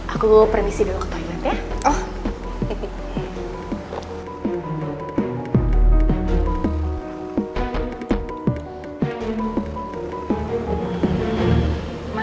aku permisi dulu ke toilet ya